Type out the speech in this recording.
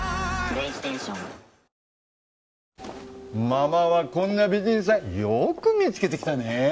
ママはこんな美人さんよく見つけてきたね。